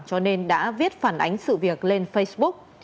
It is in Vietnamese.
cho nên đã viết phản ánh sự việc lên facebook